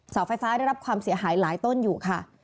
เสาไฟฟ้าได้รับความเสียหายหลายต้นอยู่ค่ะ